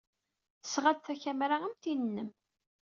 Tesɣa-d takamra am tin-nnem.